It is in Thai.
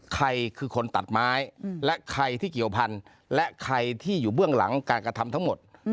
ใครคือคนตัดไม้และใครที่เกี่ยวพันธุ์และใครที่อยู่เบื้องหลังการกระทำทั้งหมด